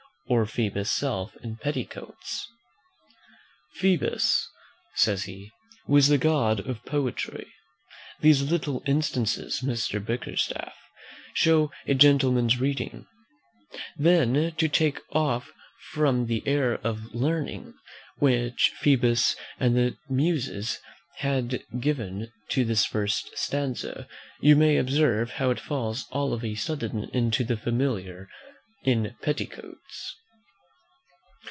"'Or Phoebus' self in petticoats.' "Phoebus," says he, "was the god of Poetry. These little instances, Mr. Bickerstaff, show a gentleman's reading. Then to take off from the air of learning, which Phoebus and the Muses had given to this first stanza, you may observe, how it falls all of a sudden into the familiar; 'in petticoats!'